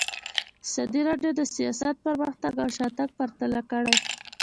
ازادي راډیو د سیاست پرمختګ او شاتګ پرتله کړی.